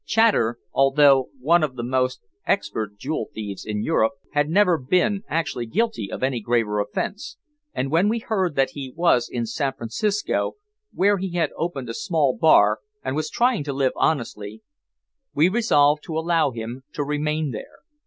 Chater, although one of the most expert jewel thieves in Europe, had never been actually guilty of any graver offense, and when we heard that he was in San Francisco, where he had opened a small bar and was trying to live honestly, we resolved to allow him to remain there.